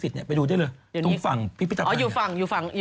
ไปได้ไม่ได้อยู่ฝั่งช่อง